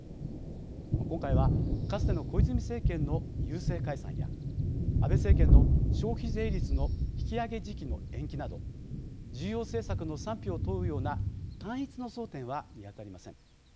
今回はかつての小泉政権の郵政解散や安倍政権の消費税率の引き上げ時期の延期など重要政策の賛否を問うような単一の争点は見当たりません。